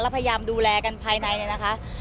พยายามดูแลกันภายในเนี่ยนะคะ